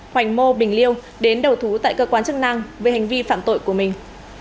hoành mô bình liêu đến đầu thú tại cơ quan chức năng về hành vi phạm tội của mình